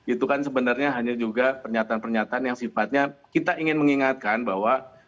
itu kan sebenarnya hanya juga pernyataan pernyataan yang sifatnya kita ingin mengingatkan bahwa